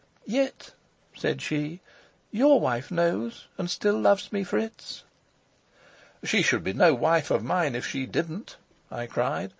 "Yet," said she, "your wife knows, and still loves me, Fritz." "She should be no wife of mine, if she didn't," I cried.